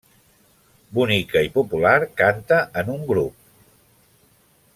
Bonica i popular, canta en un grup.